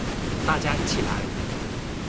大家一起來